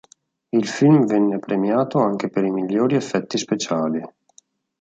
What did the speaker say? Il film venne premiato anche per i migliori effetti speciali.